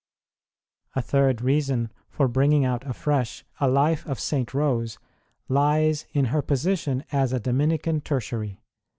A third reason for bringing out afresh a Life of St. Rose lies in her position as a Dominican Tertiary.